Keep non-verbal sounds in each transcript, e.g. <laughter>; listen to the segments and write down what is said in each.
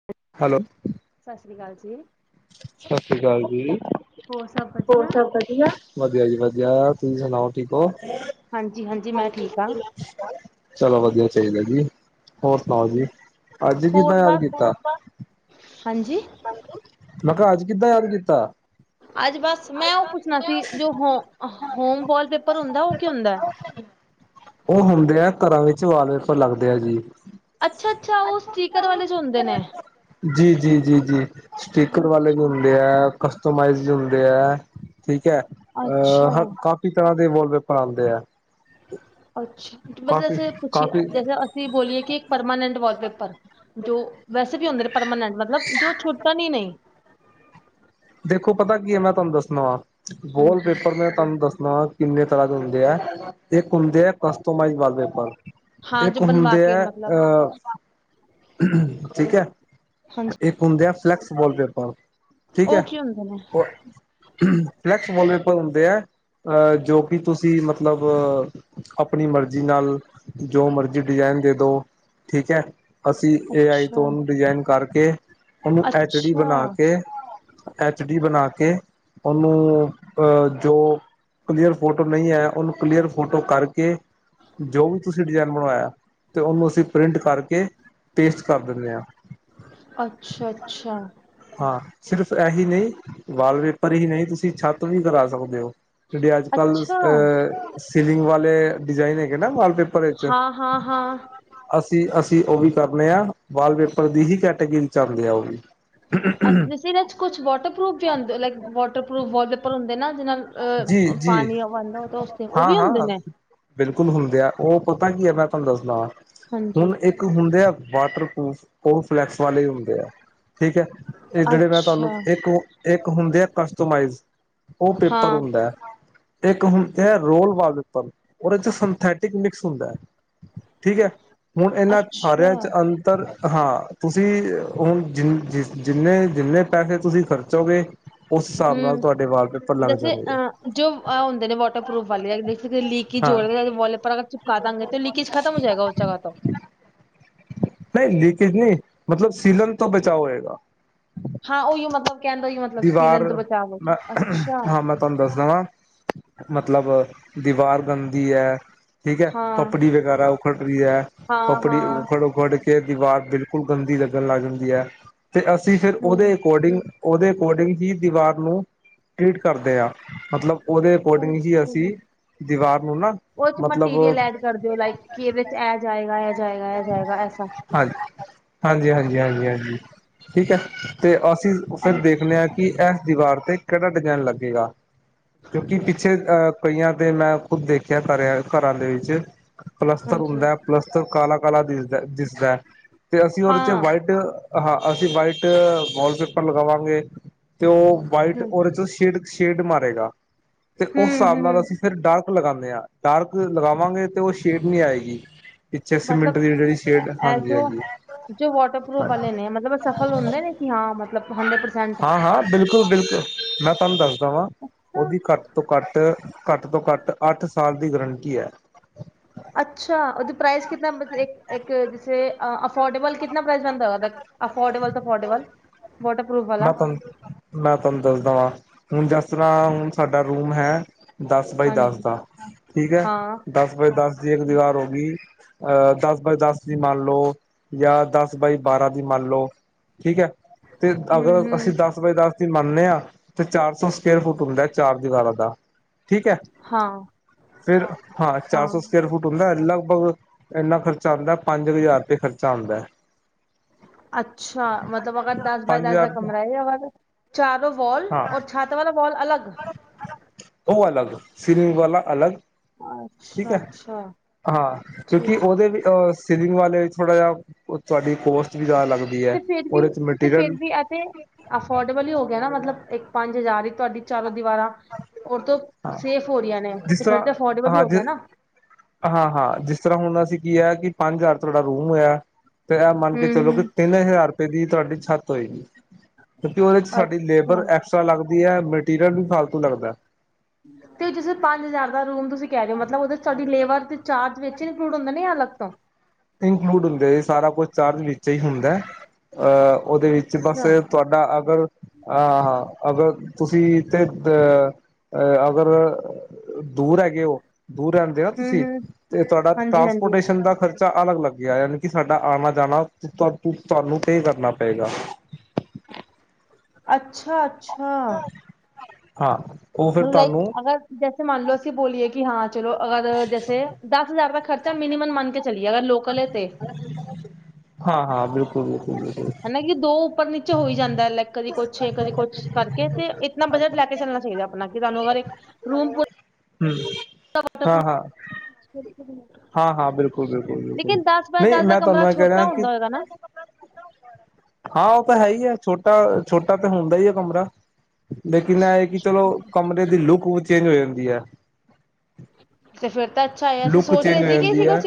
<inaudible> Hello, ਸਤਿ ਸ਼੍ਰੀ ਅਕਾਲ ਜੀ। ਸਤਿ ਸ੍ਰੀ ਅਕਾਲ ਜੀ ਹੋਰ ਸਭ ਹੋਰ ਵਧੀਆ? ਸਭ ਵਧੀਆ। ਵਧਆ ਜੀ ਵਧੀਆ ਤੁਸੀਂ ਸੁਣਾਓ ਠੀਕ ਓ। ਹਾਂਜੀ-ਹਾਂਜੀ ਮੈਂ ਠੀਕ ਹਾਂ, ਚਲੋ ਵਧੀਆ ਚਾਹੀਦਾ ਜੀ ਹੋਰ ਸੁਣਾਓ ਜੀ ਅੱਜ ਹੋਰ ਕਿਦਾਂ ਯਾਦ ਬਸ ਕੀਤਾ। ਹਾਂਜੀ, ਮੈਂ ਕਿਹਾ ਅੱਜ ਕਿੱਦਾਂ ਯਾਦ ਕੀਤਾ। ਅੱਜ ਬਸ ਮੈਂ ਉਹ ਪੁੱਛਣਾ ਸੀ ਜੋ ਹੋ ਹੋਮ ਵਾਲ ਪੇਪਰ ਹੁੰਦਾ ਉਹ ਕੀ ਹੁੰਦਾ। ਉਹ ਹੁੰਦੇ ਆ ਘਰਾਂ ਵਿੱਚ ਵਾਲ ਪੇਪਰ ਲੱਗਦੇ ਆ ਜੀ। ਅੱਛਾ ਅੱਛਾ, ਉਹ ਸਟੀਕਰ ਵਾਲੇ ਚ ਹੁੰਦੇ ਨੇ ਜੀ ਜੀ ਜੀ ਜੀ, ਸਟੀਕਰ ਵਾਲੇ ਵੀ ਹੁੰਦੇ ਐ ਕਸਟੋਮਾਈਜ਼ ਵੀ ਹੁੰਦੇ ਐ। ਠੀਕ ਐ, ਅਹ ਅੱਛਾ-ਅੱਛਾ-ਅੱਛਾ ਕਾਫੀ ਤਰ੍ਹਾਂ ਦੇ ਵਾਲਪੇਪਰ ਆਉਂਦੇ ਐ। ਅੱਛਾ ਮਤਲਬ ਅਸੀਂ ਕਾਫੀ ਜੈਸੇ <unintelligible> ਅਸੀਂ ਬੋਲੀਏ ਕਿ ਇੱਕ ਪਰਮਾਨੈਂਟ ਵਾਲਪੇਪਰ ਜੋ ਵੈਸੇ ਵੀ ਹੁੰਦੇ ਨੇ ਪਰਮਾਨੈਂਟ ਮਤਲਬ ਜੋ ਛੁਟਨ ਨਹੀਂ ਦੇਖੋ ਪਤਾ ਕੀ ਐ ਮੈਂ ਤੁਹਾਨੂੰ ਦੱਸਣਾ ਵਾਂ ਹਾਂਜੀ। ਵੋਲਪੇਪਰ ਮੈਂ ਤੁਹਾਨੂੰ ਦੱਸਣਾ ਵਾਂ ਕਿੰਨੇ ਤਰ੍ਹਾਂ ਦੇ ਹੁੰਦੇ ਆ ਇੱਕ ਹੁੰਦੇ ਆ ਕਸਟੋਮਾਈਜ਼ ਵਾਲ ਪੇਪਰ। ਹਾਂ ਜੋ ਇੱਕ ਬਣਵਾ ਹੁੰਦੇ ਕੇ ਐ ਮਤਲਬ ਅਹ ਠੀਕ ਹੈ ਹਾਂਜੀ ਇੱਕ ਹੁੰਦੇ ਆ ਫਲੈਕਸ ਵਾਲ ਪੇਪਰ। ਠੀਕ ਹੈ, ਉਹ ਕੀ ਹੁੰਦੇ ਨੇ? ਫਲੈਕਸ ਵਾਲ ਪੇਪਰ ਹੁੰਦੇ ਹੈ। ਅਹ ਜੋ ਕਿ ਤੁਸੀਂ ਮਤਲਬ ਆਪਣੀ ਮਰਜ਼ੀ ਨਾਲ। ਜੋ ਮਰਜ਼ੀ ਡਿਜ਼ਾਇਨ ਦੇ ਦੋ ਠੀਕ ਐ। ਅਸੀਂ ਏ ਆਈ ਤੋਂ ਅੱਛਾ, ਉਹਨੂੰ ਡਿਜ਼ਾਇਨ ਕਰਕੇ ਉਹਨੂੰ ਐਚ ਡੀ ਬਣਾ ਅੱਛਾ, ਕੇ। ਐਚ ਡੀ ਬਣਾ ਕੇ ਉਹਨੂੰ ਅਹ ਜੋ ਕਲੀਅਰ ਫੋਟੋ ਨਹੀਂ ਆਇਆ ਉਹਨੂੰ ਕਲੀਅਰ ਫੋਟੋ ਕਰਕੇ। ਜੋ ਵੀ ਤੁਸੀਂ ਡਿਜ਼ਾਇਨ ਬਣਵਾਇਆ ਤੇ ਉਹਨੂੰ ਅਸੀਂ ਪ੍ਰਿੰਟ ਕਰਕੇ। ਪੇਸਟ ਕਰ ਦਿੰਦੇ ਹਾਂ। ਅੱਛਾ-ਅੱਛਾ, ਹਾਂ, ਸਿਰਫ਼ ਇਹੀ ਨਹੀਂ ਵਾਲਪੇਪਰ ਹੀ ਨਹੀਂ ਤੁਸੀਂ ਛੱਤ ਵੀ ਕਰਾ ਸਕਦੇ ਹੋ। ਜਿਹੜੇ ਅੱਜ ਕੱਲ੍ਹ ਅਹ ਸੀਲਿੰਗ ਵਾਲੇ ਡਿਜ਼ਾਈਨ ਹੈਗੇ ਨਾ ਵਾਲਪੇਪਰ ਵਿੱਚ। ਹਾਂ ਹਾਂ ਹਾਂ ਅਸੀਂ ਅਸੀਂ ਉਹ ਵੀ ਕਰਨੇ ਹਾਂ ਵਾਲਪੇਪਰ ਦੀ ਹੀ ਕੈਟੇਗਰੀ ਚ ਆਉਂਦੇ ਆ ਉਹ ਵੀ। ਅੱਛਾ ਇਹਦੇ ਚ ਕੁਛ ਵਾਟਰਪੂਫ ਵੀ ਆਉਂਦਾ। ਵਾਟਰਪਰੂਫ ਵਾਲਪੇਪਰ ਹੁੰਦੇ ਨਾ ਜਿਹਨਾ ਜੀ ਅ ਜੀ ਪਾਣੀ ਆਉਦਾ ਤਾਂ। ਉਹ ਹਾਂ ਵੀ ਹੁੰਦੇ ਹਾਂ ਨੇ ਬਿਲਕੁਲ ਹੁੰਦੇ ਆ, ਉਹ ਪਤਾ ਕੀ ਹੈ ਮੈਂ ਤੁਹਾਨੂੰ ਦੱਸਦਾ ਵਾਂ ਹਾਂਜੀ ਹੁਣ ਇੱਕ। ਇੱਕ ਹੁੰਦੇ ਆ ਵਾਟਰਪਰੂਫ ਕੋਫਲੈਕਸ ਵਾਲੇ ਹੁੰਦੇ ਆ। ਠੀਕ ਹੈ, ਇਹ ਜਿਹੜੇ ਮੈਂ ਤੁਹਾਨੂੰ ਅੱਛਾ ਇੱਕ ਇੱਕ ਹੁੰਦੇ ਆ ਕਸਟਮਾਈਜ਼। ਉਹ ਪੇਪਰ ਹਾਂ ਹੁੰਦਾ ਹੈ ਇੱਕ ਹੁਦੇ। ਇਹ ਹੈ ਰੋਲ ਵਾਲਪੇਪਰ ਹੁਣ ਇਹਦੇ ਚ ਸਿੰਥੈਟਿਕ ਮਿਕਸ ਹੁੰਦਾ ਠੀਕ ਹੈ। ਹੁਣ ਇਹਨਾਂ ਅੱਛਾ ਸਾਰਿਆਂ ਚ ਅੰਤਰ। ਹਾਂ ਤੁਸੀਂ ਹੁਣ ਜਿਸ ਜ ਜਿੰਨੇ ਜਿੰਨੇ ਪੈਸੇ। ਤੁਸੀਂ ਖਰਚੋਗੇ ਉਸ ਹਿਸਾਬ ਨਾਲ ਹਮ ਤੁਹਾਡੇ ਵਾਲਪੇਪਰ ਲੱਗ ਜੈਸੇ ਜਾਣਗੇ। ਅ ਜੋ ਆ ਹੁੰਦੇ ਨੇ। ਵਾਟਰਪਰੂਫ ਵਾਲੇ ਲੀਕੇਜ ਹਾਂ ਹੋ ਰਹੀ ਤਾਂ ਇਹੀ ਵਾਲਪੇਪਰ ਚਿਪਕਾ ਦਾਂਗੇ ਤਾਂ ਲੀਕੇਜ ਖਤਮ ਹੋ ਜਾਏਗਾ ਉਸ ਜਗਾ ਤੋ। ਨਹੀਂ ਲੀਕੇਜ ਨਹੀਂ ਮਤਲਬ ਸੀਲਣ ਤੋ ਬਚਾਓ ਹੋਏਗਾ। ਹਾਂ ਉਹੀ ਮਤਲਬ ਕਹਿਣ ਦਾ ਉਹੀ ਮਤਲਬ ਦੀਵਾਰ ਸੀਲਨ ਤੋਂ ਬਚਾਵ ਮੈਂ ਹੈਗਾ ਅੱਛਾ। ਹਾਂ ਮੈਂ ਤੁਹਾਨੂੰ ਦੱਸਦਾ ਵਾਂ ਮਤਲਬ ਦੀਵਾਰ ਗੰਦੀ ਹੈ। ਠੀਕ ਹੈ ਹਾਂ ਪਪੜੀ ਵਗੈਰਾ ਉਖੜ ਰਹੀ ਹੈ ਹਾਂ ਪਪੜੀ ਹਾਂ ਉਖੜ ਉਖੜ ਕੇ। ਕੇ ਦੀਵਾਰ ਬਿਲਕੁਲ ਗੰਦੀ ਲੱਗਣ ਲੱਗ ਜਾਂਦੀ ਹੈ ਤੇ ਅਸੀਂ ਫਿਰ ਉਹਦੇ ਅਕੋਰਡਿੰਗ ਉਹਦੇ। ਅਕੋਡਿੰਗ ਹੀ ਦੀਵਾਰ ਨੂੰ ਟ੍ਰੀਟ ਕਰਦੇ ਆ। ਮਤਲਬ ਉਹਦੇ ਅਕੋਰਡਿੰਗ ਹੀ ਅਸੀਂ। ਹਮ ਦੀਵਾਰ ਨੂੰ ਨਾ। ਉਹ ਚ ਮਤਲਬ ਮਟੀਰੀਅਲ ਐਡ ਕਰ ਦੇ ਹੋ ਲਾਈਕ ਕਿ ਇਹਦੇ ਚ ਇਹ ਜਾਏਗਾ, ਇਹ ਜਾਏਗਾ, ਇਹ ਜਾਏਗਾ ਐਸਾ। ਹਾਂਜੀ। ਹਾਂਜੀ ਹਾਂਜੀ ਹਾਂਜੀ ਹਾਂਜੀ ਠੀਕ ਹੈ ਤੇ ਅਸੀਂ ਫਿਰ ਅੱਛਾ ਦੇਖਣੇ ਹਾਂ ਕਿ ਇਹ। ਦੀਵਾਰ ਤੇ ਕਿਹੜਾ ਡਿਜ਼ਾਇਨ ਲੱਗੇਗਾ। ਕਿਉਂਕਿ ਪਿੱਛੇ ਅਹ ਕਈਆਂ ਤੇ ਮੈਂ ਖੁੱਦ ਦੇਖਿਆ ਕਰਿਆ ਘਰਾਂ ਦੇ ਵਿੱਚ ਪਲਸਤਰ ਹਾਂਜੀ ਹੁੰਦਾ। ਪਲਸਤਰ ਕਾਲਾ ਕਾਲਾ ਦਿਸਦਾ ਦਿਸਦਾ ਹੈ ਤੇ ਅਸੀਂ ਉਹਦੇ ਹਾਂ ਚ ਵਾਈਟ। ਹਾਂ ਅਸੀਂ ਵਾਈਟ ਵਾਲਪੇਪਰ ਲਗਾਵਾਂਗੇ। ਤੇ ਉਹ ਵਾਈਟ ਹੂੰ ਉਹਦੇ ਚੋਂ ਸ਼ੇਡ ਸ਼ੇਡ ਮਾਰੇਗਾ ਤੇ ਉਸ ਹੂੰ ਹਿਸਾਬ ਨਾਲ ਹੂੰ ਅਸੀਂ। ਫਿਰ ਡਾਰਕ ਲਗਾਉਂਦੇ ਹਾਂ ਡਾਰਕ ਲਗਾਵਾਂਗੇ ਤੇ ਉਹ ਸ਼ੇਡ ਨਹੀ ਆਏਗੀ। ਪਿੱਛੇ ਸੀਮਿੰਟ ਮਤਲਬ ਦੀ ਜਿਹੜੀ ਸ਼ੇਡ ਇਹ ਹਾਂਜੀ ਜੋ ਹਾਂਜੀ। ਜੋ ਵਾਟਰਪ੍ਰੂਫ ਵਾਲੇ ਨੇ ਮਤਲਬ ਸਫਲ ਹੁੰਦੇ ਨੇ ਹਾਂ ਮਤਲਬ ਹੰਡਰਡ ਪ ਹਾਂ, ਹਾਂ ਬਿਲਕੁਲ, ਬਿਲਕੁਲ ਮੈਂ ਤੁਹਾਨੂੰ ਦੱਸਦਾ ਵਾਂ। ਉਹਦੀ ਘੱਟ ਤੋਂ ਘੱਟ ਘੱਟ ਤੋਂ ਘੱਟ ਅੱਠ ਸਾਲ ਦੀ ਗਰੰਟੀ ਹੈ। ਅੱਛਾ ਉਹਦੀ ਪ੍ਰਾਈਜ਼ ਕਿਨਾ? ਮਤਲਬ ਅਫੋਰਡੇਬਲ ਕਿਨਾ ਪ੍ਰਾਈਜ਼ ਬਣਦਾ ਉਹਦਾ? ਅਫੋਰਡੇਬਲ ਤਾਂ ਅਫੋਰਡੇਬਲ ਵੋਟਰਪੂਫ ਮੈਂ ਵਾਲਾ। ਤੁਹਾਨੂੰ ਮੈਂ ਤੁਹਾਨੂੰ ਦੱਸਦਾ ਵਾਂ ਹੁਣ ਜਿਸ ਤਰ੍ਹਾਂ ਹੁਣ ਸਾਡਾ ਰੂਮ ਹੈ। ਦਸ, ਬਾਏ ਦਸ, ਹਾਂਜੀ ਦਾ ਠੀਕ ਹੈ ਹਾਂ ਦਸ ਬਾਏ ਦਸ ਦੀ ਇੱਕ ਦੀਵਾਰ ਹੋ ਗਈ। ਅਹ ਦਸ ਬਾਏ ਦਸ ਦੀ ਮੰਨ ਲਓ ਜਾਂ ਦਸ ਬਾਏ ਬਾਰਾਂ ਦੀ ਮੰਨ ਲਓ ਠੀਕ ਹੈ ਤੇ ਹੂੰ ਅਗਰ ਅਸੀਂ ਹੂੰ ਦਸ ਬਾਏ ਦਸ ਦਿਨ ਮੰਨਦੇ ਹਾਂ ਤੇ ਚਾਰ ਸੌ ਸਕੇਅਰ ਫੁੱਟ ਹੁੰਦਾ ਚਾਰ ਦੀਵਾਰਾਂ ਦਾ। ਠੀਕ ਹੈ, ਹਾਂ ਫੇਰ ਹਾਂ ਚਾਰ ਸੌ ਸਕੇਅਰ ਫੁੱਟ। ਹੁੰਦਾ ਲਗਭਗ ਇੰਨਾ ਖਰਚਾ ਆਉਂਦਾ ਪੰਜ ਹਜ਼ਾਰ ਤੇ ਖਰਚਾ ਆਉਦਾ ਹੈ। ਅੱਛਾ, ਮਤਲਬ ਅਗਰ ਦਸ ਬਾਏ ਪੰਜ ਦਸ ਦਾ ਹਜ਼ਾਰ ਕਮਰਾ ਹੈ। ਅਗਰ ਚਾਰੋਂ ਵਾਲ ਹਾਂ ਔਰ ਛੱਤ ਵਾਲਾ ਵਾਲ ਅਲਗ। ਉਹ ਅਲਗ ਸੀਲਿੰਗ ਵਾਲਾ ਅਲੱਗ। ਠੀਕ ਹੈ, ਹਾਂ ਕਿਉਂਕਿ ਠੀਕ ਹੈ ਉਹਦੇ ਵਿੱਚ। ਅ ਸਲਿੰਗ ਵਾਲੇ ਵਿੱਚ ਥੋੜਾ ਜਿਹਾ ਤੁਹਾਡੀ ਕੋਸਟ ਵੀ ਜ਼ਿਆਦਾ ਲੱਗਦਾ। ਤੇ ਫਿਰ ਵੀ ਤੇ ਫਿਰ ਵੀ ਇਥੇ ਅਫੋਰਡੇਬਲ ਹੀ ਹੋ ਗਿਆ ਨਾ ਮਤਲਬ ਇੱਕ ਪੰਜ ਹਜ਼ਾਰ ਹੀ ਤੁਹਾਡੀ। ਚਾਰੋਂ ਦੀਵਾਰਾਂ ਉਹ ਤੋਂ ਹਾਂ ਸੇਫ ਹੋ ਰਹੀਆਂ ਨੇ ਜਿਸ ਤੇ ਫਿਰ ਤਰ੍ਹਾਂ ਤੇ ਅਫੋਰਡੇਬਲ ਹੀ ਹਾਂ ਹੋ ਜ ਗਿਆ ਨਾ। ਹਾਂ ਹਾਂ ਜਿਸ ਤਰ੍ਹਾਂ ਹੁਣ ਅਸੀਂ ਕੀ ਹੈ ਕਿ ਪੰਜ ਹਜ਼ਾਰ ਤੁਹਾਡਾ ਰੂਮ ਹੋਇਆ ਤੇ ਇਹ ਮੰਨ ਕੇ ਹੂੰ ਚਲੋ ਹੂੰ ਕਿ ਤਿੰਨ ਹਜ਼ਾਰ ਰੁਪਏ ਦੀ ਤੁਹਾਡੀ ਛੱਤ ਹੋਈ ਕਿਉਂਕਿ ਉਹਦੇ ਚ ਸਾਡੀ ਅੱਛਾ ਲੇਬਰ ਐਕਸਟਰਾ ਲੱਗਦੀ ਹੈ ਮਟੀਰੀਅਲ ਵੀ ਫਾਲਤੂ ਲੱਗਦਾ ਤੇ ਜਿੱਂ ਪੰਜ ਹਜ਼ਾਰ ਦਾ ਰੂਮ ਤੁਸੀਂ ਕਹਿ ਰਹੇ ਹੋ ਮਤਲਬ ਉਹਦੇ ਤੁਡੀ ਲੇਬਰ। ਚਾਰਜ ਵਿੱਚ ਗੁੜ ਵਧੀਆ ਲੱਗਦਾ। ਇਨਕਲੂਡ ਹੁੰਦੇ ਜ ਸਾਰਾ ਕੁਛ ਚਾਰਜ ਵਿੱਚ ਹੀ ਹੁੰਦਾ ਅਹ ਉਹਦੇ ਵਿੱਚ ਬਸ। ਅੱਛਾ ਤੁਹਾਡਾ ਅਗਰ ਹਾਂ ਹਾਂ ਅਗਰ ਤੁਸੀਂ ਤੇ ਅਹ ਅਹ ਅਗਰ ਦੂਰ ਹੈਗੇ ਉਹ ਦੂਰ ਰਹਦੇ ਨਾ ਹੂੰ ਤੁਸੀਂ ਹੂੰ ਤੇ ਤੁਹਾਡਾ ਹਾਂਜੀ ਹਾਂਜੀ ਟਰਾਂਸਪੋਰਟੇਸ਼ਨ ਦਾ ਖਰਚਾ ਬੱਚਾ ਅਲੱਗ ਲੱਗਿਆ ਯਾਨੀ ਕਿ ਸਾਡਾ ਆਉਣਾ ਜਾਣਾ ਤੁਹਾਨੂੰ ਟੇ ਕਰਨਾ ਪਏਗਾ। ਅੱਛਾ, ਅੱਛਾ। ਹਾਂ। ਉਹ ਫਿਰ ਮਤਬ ਲਾਈਕ ਤੁਹਾਨੂੰ ਅਗਰ ਜੈਸੇ ਮੰਨ ਲੋੋ ਅਸੀਂ ਬੋਲੀਏ ਕਿ ਹਾਂ ਚਲੋ ਅਗਰ ਜੈਸੇ ਦਸ ਹਜ਼ਾਰ ਦਾ ਖਰਚਾ ਮਿਨੀਮਮ ਮੰਨ ਕੇ ਚਲੀਏ ਅਗਰ ਲੋਕਕਲ ਹੈ ਤੇ। ਹਾਂ, ਹਾਂ। ਬਿਲਕੁਲ, ਬਿਲਕੁਲ, ਬਿਲਕੁਲ। ਹਨ ਕਿ ਦੋ ਉੱਪਰ ਨੀਚੇ ਹੋਈ ਜਾਂਦਾ ਲੈਕ ਕਦੀ ਕੁਛ, ਕਦੀ ਕੁਛ। ਕਰਕੇ ਤੇ ਇਤਨਾ ਬਜਟ ਲੈ ਕੇ ਚੱਲਣਾ ਚਾਹੀਦਾ ਆਪਣਾ ਕਿ ਤੁਾਨੂੰ ਅਗਰ ਇੱਕ ਰੂਮੂ ਹਮ। ਹਾਂ ਹਾਂ ਵੂਫ ਹਾਂ-ਹਾਂ, ਬਿਲਕੁਲ-ਬਿਲਕੁਲ-ਬਿਲਕੁਲ ਲੇਕਿਨ ਦਸ ਬਾਏ ਨਹੀਂ ਦਸ ਦਾ ਮੈਂ ਕਮਰਾ ਤੁਹਾਨੂੰ ਇਹ ਕਹਿ ਛੋਟਾ ਰਿਹਾ ਕਿ ਹੁੰਦਾ ਹੋਏਗਾ ਨਾ। ਹਾਂ ਉਹ ਤਾਂ ਹੈ ਹੀ ਹੈ। ਛੋਟਾ ਛੋਟਾ ਤਾਂ ਹੁੰਦਾ ਹੀ ਹੈ ਕਮਰਾ। ਲੇਕਿਨ ਇਹ ਕਿ ਚਲੋ ਕਮਰੇ ਦੀ ਲੁੱਕ ਚੇਂਜ ਹੋ ਜਾਂਦੀ ਹੈ। ਤੇ ਫੇਿਰ ਤਾਂ ਅੱਛਾ ਹੈ। ਅਸੀਂ ਲੁੱਕ ਸੋਚ ਰਹੇ ਚੇਂਜ ਹੋ ਸੀ ਕਿਸੀ ਜਾਂਦੀ ਕੁ ਹੈ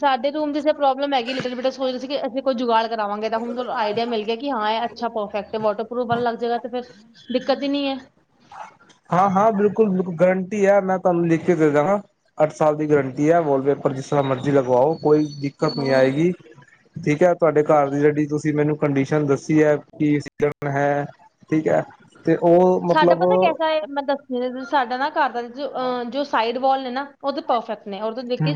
ਸਾਡੇ ਰੂਮ ਜ ਪ੍ਰੋਬਲਮ ਹੈਗੀ ਲਿਟ ਬਟ ਸਚ ਸੀ ਕਿਸੀਂ ਕੋਈ ਜੁਗਾੜ ਕਰਵਾਾਂਗੇ ਤਾਂ ਹੁਣ ਆਈਡੀਆ ਮਿਲ ਗਿਆ ਕਿ ਹਾਂ ਇਹ ਅੱਛਾ ਪਰਫੈਕਟ ਹੈ ਵਾਟਰਪੂਫ ਵਾਲਾ ਲੱਗ ਜਾਏਗਾ ਫਿਰ ਦਿੱਕਤ ਹੀ ਨਹੀਂਹੈ। ਹਾਂ, ਹਾਂ। ਬਿਲਕੁਲ, ਬਿਲਕੁਲ ਗਰੰਟੀ ਹੈ। ਮੈਂ ਤੁਹਾਨੂੰ ਲਿਖ ਕੇ ਦੇ ਦ ਹਾਂ। ਅੱਠ ਸਾਲ ਦੀ ਗਰੰਟੀ ਹੈ। ਵਾਲਪੇਪਰ ਜਿਸ ਤਰ੍ਹਾਂ ਮਰਜ਼ੀ ਲਗਵਾਓ ਕੋਈ। ਘਨੀ ਹਾਂ ਆਏਗੀ ਠੀਕ ਹੈ ਤੁਹਾਡੇ ਘਰ ਦੀ ਜਿਹੜੀ ਤੁਸੀ ਮੈਨੂੰ ਕੰਡੀਸ਼ਨ ਦੱਸੀ ਹੈ। ਕਿਜ਼ ਹੈ ਠੀਕ ਹੈ ਤੇ ਉਹ। ਸਾਡਾ ਮਤਲਬ ਪਤਾ ਕੈਸਾ ਹੈ। ਮੈਂ ਦੱਸਿਆ ਸਾਡਾ ਨਾ ਘਰ ਦਾ ਜੋ ਅ ਜੋ ਸਾਈਡ ਵਾਲ ਨੇ ਨਾ ਉਹ ਤਾਂ ਪਰਫੈਕਟ ਨੇ। ਦੇਖ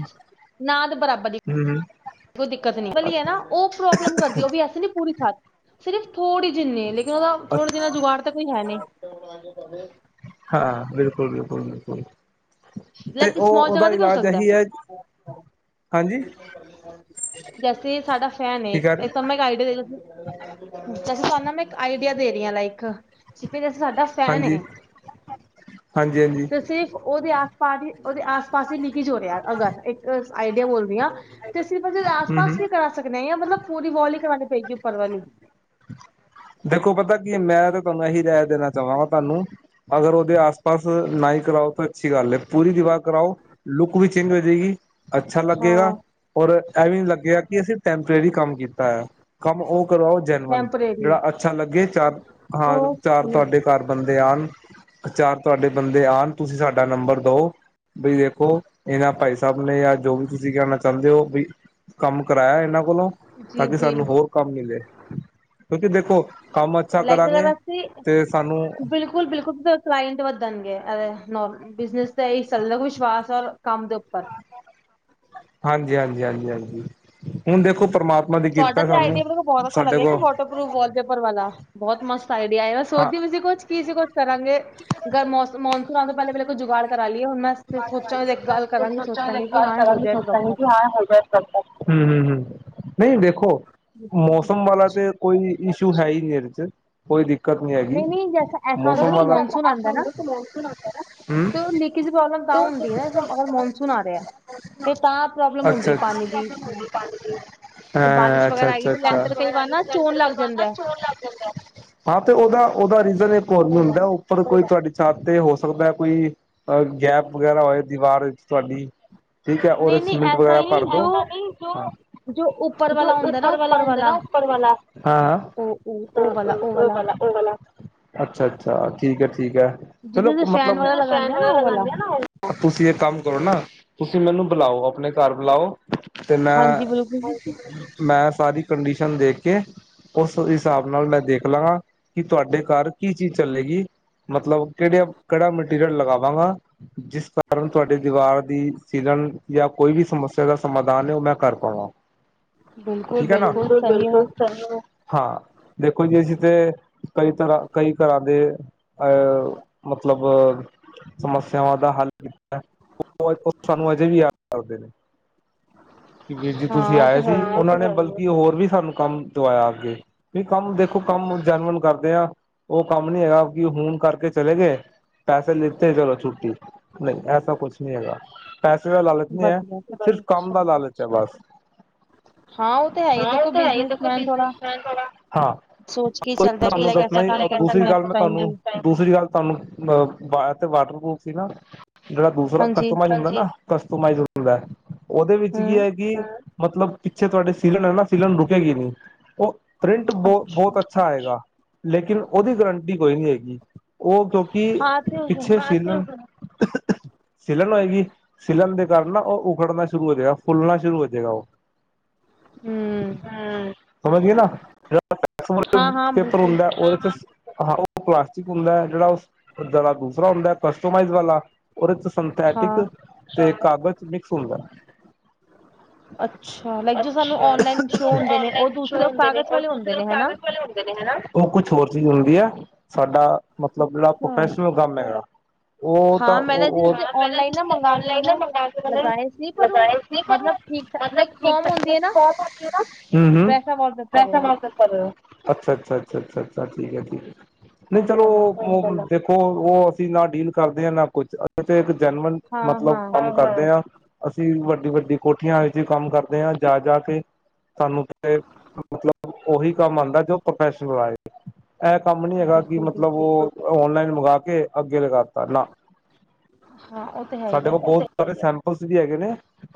ਨਾਦ ਬਰਾਬਰ ਦੀ ਹਮ, ਹਮ। ਕੋਈ ਦਿੱਕਤ ਨ ਭਲੀ ਹੈ। ਨਾ ਉਹ ਪ੍ਰੋਬਲਮ ਕਰਦੀ ਉਹ ਵੀਸੇ ਨੀ ਪੂਰੀ ਥ ਸਿਰਫ ਥੋੜ੍ਹੀ ਜਿਨੀ ਲੇਕਿਨ ਉਹਦਾ ਅੱਛਾ ਥੋੜੇ ਜਿ ਨਾਲ ਜੁਗਾੜ ਤਾਂ ਕੋਈ ਹੈ ਨਹੀਂ। ਹਾਂ। ਬਿਲਕੁਲ, ਬਿਲਕੁਲ, ਬਿਲਕੁਲ। ਤੇ ਲਕ ਉਹ ਸਮਾਲ ਜਗ੍ਹਾ ਉਹਦਾ ਤੇ ਕੀ ਹੋ ਇਲਾਜ ਸਕਦਾ। ਇਹੀ ਹੈ ਹਾਂਜੀ ਜੈਸੇ ਸਾਡਾ ਫੈਨ ਏ ਕੀ ਕਹਿ ਰਹੇ ਏਕ ਮੈਂ ਜੱਸੀ ਤੁੰਆਨੂੰ ਮੈਂ ਇੱਕ ਆਈਡੀਆ ਦੇ ਰਹੀ ਹਾਂ। ਲਾਈਕ ਜੱਸੀਂ ਸਾਡਾ ਸੈਨੇ ਹਾਂਜੀ ਹਾਂਜੀ ਹਾਂਜੀ ਤੇ ਸਿਰਫ ਉਹਦੇ ਪਾ ਉਹਦੇ ਆਸ-ਪਾਸ ਈ ਲੀਕੀਜ ਹੋ ਰਿਆ, ਅਗਰ ਇੱਕ ਆਈਡੀਆ ਬੋਲਦੀ ਆ। ਤੇ ਸਿਰਫ ਅਸੀ ਹਮ ਆਸ-ਪਾਸ ਹਮ ਵੀ ਕਰਾ ਸਕਦੇ ਹਾਂ ਜਾਂ ਮਤਲਬ ਪੂਰੀ ਵਾਲ ਹੀ ਕਰਾਉਣੀ ਪਏਗੀ। ਉਪਰ ਵਾਲੀ ਦੇਖੋ ਪਤਾ ਕੀ, ਮੈਂ ਤਾਂ ਤੁਹਾਨੂੰ ਏਹੀ ਰੈ ਦੇਣਾ ਚਾਵਾਂਗਾ। ਤੁਹਾਨੂੰ ਅਗਰ ਉਹਦੇ ਆਸ ਪਾਸ ਨਾਈ ਕਰਾਓ ਤਾਂ ਅੱਛੀ ਗੱਲ ਹੈ ਪੂਰੀ ਦੀਵਾ ਕਰਾਓ ਲੁੱਕ ਵੀ ਚੇਂਜ ਹੋ ਹੋਗੀ, ਅੱਛਾ ਲੱਗੇਗਾ। ਹਾਂ ਔਰ ਐਵੀ ਨ ਲੱਗੇਿਆ ਕਿ ਅਸੀਂ ਟੈਂਪਰੇਰੀ ਕੰਮ ਕੀਤਾ ਹੈ ਕੰਮ ਉਹ ਕਰਵਾਓ ਜਨਮਲ ਟੈਂਪਰੇਰੀ ਜੇੜਾ ਅੱਛਾ ਲੱਗੇ ਚਾਰ ਹਾਂ ਚਾਰ ਓਕੇ ਤੁਹਾਡੇ ਘਰ ਬੰਦੇ ਆਣ। ਚਾਰ ਤੁਹਾਡੇ ਬੰਦੇ ਆਉਣ ਤੁਸੀਂ ਸਾਡਾ ਨੰਬਰ ਦਓ। ਬ ਦੇਖੋ ਇਹਨਾਂ ਭਾਈ ਸਾਹਿਬ ਨੇ ਜਾਂ ਜੋ ਵੀ ਤੁਸੀਂ ਕਹਿਣਾ ਚਾਹੁੰਦੇ ਹੋ ਵੀ ਕੰਮ ਕਰਾਇਆ ਇਹਨਾਂ ਕੋਲੋਂ ਤਾਂ ਜੀ ਕਿ ਜੀ ਸਾਨੂੰ ਹੋਰ ਕੰਮ ਮਿਲੇ ਕਿਉਂਕਿ ਦੇਖੋ ਕੰਮ ਅੱਛਾ ਕਰਾਂਗੇ ਤੇ ਸਾਨੂੰ ਬਿਲਕੁਲ-ਬਿਲਕੁਲ ਕਲਾਇੰਟ ਵੱਧਣਗੇ। ਬਿਜਨੈਸ ਤੇ ਆਈ ਚਲਦੈ। ਵਿਸ਼ਵਾਸ ਕੰਮ ਦੇ ਉੱਪਰ ਹਾਂਜੀ, ਹਾਂਜੀ, ਹਾਂਜੀ, ਹਾਂਜੀ ਹੁਣ ਦੇਖੋ ਪਰਮਾਤਮਾ ਦੀ ਤੁਹਾਡਾ ਕਿਰਪਾ ਸਾਨੂੰ ਆਡੀਆ ਮਤਲਬ ਬਹੁਤ ਅੱਛਾ ਸਾਡੇ ਲੱਗਿਆ ਕੋਲ ਬ ਪਰੂਫ ਵੌਲਪੇਪਰ ਵਾਲਾ ਬਹੁਤ ਮਸਤ ਆਈਡੀਆ ਐ, ਹਾਂ ਸੋਚਦੀ ਸੀ ਕੁਛ ਕੀ ਸੀ ਕੁਛ ਕਰਾਂਗੇ। ਅਗਰ ਮੌਨਸੂਨ ਆਂਣ ਤੋਂ ਪਹਿਲੇ-ਪਹਿਲੇ ਕੋਈ ਜੁਗਾੜ ਕਰਾ ਲਈਏ। ਹੁਣ ਮੈਂ ਸੋਚਾਂ ਸੋਚਾਗੇ, ਗੱਲ ਕਰਾਂਗੇ ਸੋਚਾਂਗੇ ਕਿ ਹਾਂ ਹੋ ਗ ਹੂੰ-ਹੂੰ-ਹੂੰ ਨਹੀਂ, ਦੇੇਖੋ ਮੌਸਮ ਬਹੁਤ ਵਾਲਾ ਅੱਛਾ ਤੇ ਕੋਈ ਈਸ਼ੂ ਹੈ ਹੀ ਨੀ ਏਦੇ ਚ ਕੋਈ ਕ ਨਹੀਂ ਆਗੀ ਜੈਸਾ ਐਸਾ ਹੁੰਦਾ ਮੌਸਮ ਤੇ ਵਾਲ ਮੌਨਸੂਨ ਆਉਂਦਾ ਹੂੰ। ਕਿਸੇ ਪ੍ਰੋਬਲਮ ਤਾਂ ਹੁੰਦੀ ਹੈ ਨਾ ਮੌਨਸੂਨ ਆ ਰਿਹਾ ਤੇ ਤਾਂ ਪ੍ਰੋਬਲਮ ਹੁੰਦੀ ਅੱਛਾ ਹੈ ਪਾਣੀ ਦੀ। ਹਾਂ ਬਾਰਿਸ਼ ਅੱਛਾ ਵਗੈਰਾ ਆਏਗੀ ਅੱਛਾ ਅੱਛਾ ਤੇ ਲੈਂਟਰ ਕਈ ਵਾਰ ਨਾ ਚੋਣ ਲੱਗ ਜਾਂਦਾ। ਹਾਂ ਤੇ ਉਹਦਾ-ਉਹਦਾ ਰੀਜ਼ਨ ਇੱਕ ਹੋਰ ਨੀ ਉਹਦਾ ਹੁੰਦਾ ਉਹ ਪਰ ਕੋਈ ਤੁਆਡੀ ਛੱਤ ਤੇ ਹੋ ਸਕਦਾ। ਕੋਈ ਅ ਗੈਪ ਵਗੈਰਾ ਹੋਏ ਦੀਵਾਰ ਤੁਹਾਡੀ ਠੀਕ ਐ ਹੋਰ ਨਹੀਂ ਨਹੀਂ ਸੀਮਿੰਟ ਐਸਾ ਵਗੈਰਾ ਨਹੀਂ ਭਰ ਜੋ ਦੋ ਜੋ ਉੱਪਰ ਜੋ ਵਾਲਾ ਹੁੰਦਾ ਨਾ ਉੱਪਰ ਵਾਲਾ ਹੁੰਦਾ ਨਾ ਉੱਪਰ ਵਾਲਾ ਹਾਂ ਉਹ ਉਹ ਉਹ ਵਾਲਾ ਉਹ ਉਪ ਵਾਲਾ ਉਹ ਵਾਲਾ। ਅੱਛਾ-ਅੱਛਾ ਠੀਕ ਹੈ ਠੀਕ ਹੈ ਜਿਹਦੇ ਚਲੋ ਤੇ ਫੈਨ ਮਤਲਬ ਵਾਲਾ ਲਗਾਨੇ ਆ ਨਾ ਉਹ ਵਾਲਾ ਲ ਤੁਸੀਂ ਇੱਕ ਕੰਮ ਕਰੋ ਨਾ। ਤੁਸੀਂ ਮੈਨੂੰ ਬੁਲਾਓ ਆਪਣੇ ਘਰ ਬੁਲਾਓ। ਤੇ ਹਾਂਜੀ ਬਿਲਕੁਲ ਮੈਂ-ਮੈਂ ਸਾਰੀ ਕੰਡੀਸ਼ਨ ਦੇਖ ਕੇ ਉਸ ਹਿਸਾਬ ਨਾਲ ਮੈਂ ਦੇਖ ਲਾਂਗਾ ਕਿ ਤੁਹਾਡੇ ਘਰ ਕੀ ਚੀਜ਼ ਚੱਲੇਗੀ ਮਤਲਬ ਕਿਹੜਾ-ਕਿਹੜਾ ਮਟੀਰੀਅਲ ਲਗਾਵਾਂਗਾ ਜਿਸ ਕਾਰਨ ਤੁਹਾਡੇ ਸਾੇ ਦੀਵਾਰ ਦੀ ਸੀਲਨ ਜਾਂ ਕੋਈ ਵੀ ਸਮੱਸਿਆ ਦਾ ਸਮਾਧਾਨ ਹੈ। ਉਹ ਮੈਂ ਕਰ ਪਾਵਾਂ। ਬਿਲਕੁਲ ਠੀਕ ਹੈ ਨਾ ਸਹੀ ਹੈ ਬਿਲਕੁਲ। ਹਾਂ ਦੇਖੋ ਜੀ ਅਸੀਂ ਤੇ ਕਈ ਤਰ੍ਹਾਂ ਕਈ ਘਰਾਂ ਦੇ ਅ ਮਤਲਬ ਸਮੱਸਿਆਵਾਂ ਦਾ ਓ ਸਾਨੂੰ ਅਜੇ ਵੀ ਯਾਦ ਕਰਦੇ ਨੇ। ਕਿ ਵੀਰ ਜੀ ਤੁਸੀਂ ਹਾਂ ਉਹ ਆਏ ਤਾਂ ਸੀ ਹੈ ਹੀ ਹੈ ਉਹਨਾਂ ਨੇ ਬ ਕਿ ਹੋਰ ਵੀ ਸਾਨੂੰ ਕੰਮ ਦਵਾਇਆ ਅੱਗੇ ਵੀ ਕੰਮ ਦੇਖੋ ਕੰਮ ਜਨਮਨ ਕਰਦੇ ਹ। ਉਹ ਕੰਮ ਨੀ ਹੈਗਾ ਕਿ ਹੂਣ ਕਰਕੇ ਚਲੇ ਗਏ। ਪੈਸੇ ਲਤੇ ਚਲੋ ਛੁੱਟੀ ਨਹੀਂ ਐਸਾ ਕੁਛ ਨਹੀਂ ਹੈਗਾ। ਪੈਸੇ ਦਾ ਲਾਲਚ ਨੀ ਹੈ ਵਧੀਆ ਸਿਰਫ਼ ਕੰਮ ਅੱਛਾ ਦਾ ਲਾਲਚ ਹੈ ਬਸ ਹਾਂ ਉਹ ਤਾਂ ਹੈ ਹੀ ਹਾਂ ਉਹ ਦੇਖੋ ਤਾਂ ਹੈ ਤਾਂ ਕੋਈ ਬਿਜਨਸਮੈਨ ਬਿਨਸ ਥੋੜਾ ਮੈਨ ਬਾ ਸੋਚ ਕੇ ਹੀ ਚੱਲਦਾ ਕਿ ਤੁਹਾਨੂੰ ਲਾਈਕ ਦੱਸਣਾ ਐਸਾ ਹੀ ਕੰਮ ਕਰੋ ਕਿ ਦੂਸਰੀ ਗੱਲ ਨੈਕਸਟ ਮੈਂ ਟਾਈਮ ਵੀ ਤੁਹਾਨੂੰ ਦੂਸਰੀ ਗੱਲ ਤੁਹਾਨੂੰ ਅ ਤੇ ਵਾਟਰਪੂਫ ਸੀ ਨਾ ਜਿਹੜਾ ਦੂਸਰਾ ਹਾਂਜੀ ਕਸਟਮ ਹੁੰਦਾ ਨਾ ਕਸਟੋਮਾਈਜ਼ ਹੁੰਦਾ ਉਹਦੇ ਵਿੱਚ ਕੀ ਹੂੰ ਹੈ ਕਿ ਮਤਲਬ ਪਿੱਛੇ ਤੁਹਾਡੇ ਸਲਣ ਹੈ ਨਾ ਸਲਣ ਰੁਕੇਗੀ ਨ ਉਹ ਪ੍ਰਿੰਟ ਬਹੁ ਬਹੁਤ ਅੱਛਾ ਹੈਏਗਾ। ਲੇਕਿਨ ਉਹਦੀ ਗਰੰਟੀ ਕੋਈ ਨਹੀਂੀ ਹੈਗੀ ਉਹ ਕਿਉਂਕਿ ਹਾਂ ਤੇ ਹੋ ਜਾਣਾ ਪਿੱਛੇ ਫ ਹ ਸਿਲਣ ਹੋਏਗੀ ਸਿਲਣ ਦੇ ਕਾਰਨ ਨਾ ਉਹ ਉਖੜਨਾ ਸ਼ੁਰੂ ਹੋ ਜਾਵੇਗਾ ਫੁੱਲਣਾ ਸ਼ੁਰੂ ਹੋ ਜਾਵੇਗਾ ਉਹ ਹੂੰ ਸਮਝ ਨਾ ਹਾਂ ਜਿਹੜਾ ਹਾਂ ਪੇਪਰ ਬਿਲਕੁਲ ਹੁੰਦਾ ਉਹਦੇ ਤੇ ਉਹ ਪਲਾਸਟਿਕ ਹੁੰਦਾ ਹੈ ਜਿਹੜਾ ਉਹ ਜ਼ਰਾ ਦੂਸਰਾ ਹੁੰਦਾ ਕਸਟਮਾਈਜ਼ ਵਾਲਾ ਉਹਦੇ ਚ ਹਾਂ ਸੰਥੈਟਿਕ ਤੇ ਕਾਗਜ਼ ਮਿਕਸ ਹੁੰਦਾ ਹ ਅੱਛਾ ਲਾਈਕ ਜੋ ਸਾਨ ਨਲਾਈਨ ਸ਼ੋ ਹੁੰਦੇ ਨੇ ਉਹ ਦੂਸਰੇ ਕਾਗਜ਼ ਵਾਲੇ ਹੁੰਦੇ ਨੇ ਹੈਨਾ। ਉਹ ਕੁਛ ਹੋਰ ਚੀਜ਼ ਹੁੰਦੀ ਹੈ ਸਾਡਾ ਮਤਲਬ ਜਿਹੜਾ ਅੱਛਾ ਪ੍ਰੋਫੈਸ਼ਨਲ ਕੰਮ ਹੈਗਾ ਉਹ ਉਹ ਪਹਿ ਨਲਾਈਨ ਨਾ ਮੰਗ ਕੇ ਮਨ ਲਗਾਏ ਮਤਲਬ ਠੀਕ ਠਾਕ ਨਈ ਇਕ ਫੋਮ ਹੁੰਦੀ ਐ ਨਾ ਹਮ ਹਮ ਵੈਸਾ ਵਾਲ ਪੇਪਰ ਏ ਓ। ਅੱਛਾ, ਅੱਛਾ, ਅੱਛਾ, ਅੱਛਾ, ਅੱਛਾ ਠੀਕ ਐ-ਠੀਕ‌ਐ ਨਹੀਂ ਚਲੋ ਦੇਖੋ ਉਹ ਅਸੀਂ ਨਾ ਡੀਲ ਕਰਦੇ ਹਾਂ ਨਾ ਕੁਛ ਅ ਤੇ ਇੱਕ ਜਨਮਨ ਮਤਲਬ ਕਰਦੇ ਹਾਂ ਅਸੀਂ ਵੱਡੀ-ਵੱਡੀ ਕੋਠੀਆਂ ਵਿੱਚ ਕੰਮ ਕਰਦੇ ਹਾਂ ਜਾ-ਜਾ ਕੇ। ਸਾਨੂੰ ਤੇ ਮਤਲਬ ਉਹੀ ਕੰਮ ਆਉਂਦਾ ਜੋ ਪ੍ਰੋਫੈਸ਼ਨਲ ਆਏ ਇਹ ਕੰਮ ਨੀ ਹੈਗਾ ਕਿ ਮਤਲਬ ਉਹ ਔਨਲਾਈਨ ਮੰਗਾਵਾ ਕੇ ਅੱਗੇ ਲਗਾਤਾ ਨਾ ਉਹ ਤਾਂ ਹੈ ਹੀ ਸਾਡੇ ਹੈ ਕੋਲ ਬਹੁਤ ਸਾਰੇ ਸੈਂਪਲਸ ਵੀ ਹੈਗੇ ਨੇ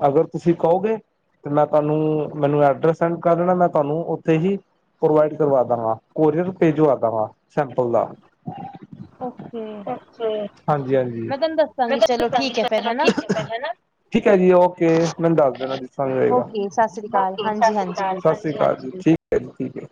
ਅਗਰ ਤੁਸੀਂ ਕਹੋਗੇ ਤੇ ਮੈਂ ਤੁਹਾਨੂੰ ਮੈਨੂੰ ਐਡਰਸ ਸੈਂਡ ਕਰ ਦੇਣਾ ਮੈਂ ਤੁਹਾਨੂੰ ਉੱਥੇ ਹੀ ਪ੍ਰੋਵਾਈਡ ਕਰਵਾ ਦ ਵਾਂ ਕੋਰੀਅਰ ਭੇਜਵਾ ਦ ਵਾਂ ਸਿੰਪਲ ਦਾ ਓਕੇ ਹਾਂਜੀ ਹਾਂਜੀ ਮੈਂ ਦੱਸਾਂਗੀ ਚਲੋ ਠੀਕ ਹੈ ਫਿਰ ਹੈ ਨਾ ਠੀਕ ਹੈ ਜੀ ਓਕੇ ਮੈਨੂੰ ਦੱਸ ਦੇਣਾ ਸਮਝਗਾ ਓਕੇ ਸਤਿ ਸ੍ਰੀ ਅਕਾਲ ਸਤਿ ਹਾਂਜੀ ਹਾਂਜੀ ਬਿਲਕੁਲ ਸ੍ਰੀ ਅਕਾਲ ਜੀ ਠੀਕ ਹੈ ਜੀ ਠੀਕ ਹੈ।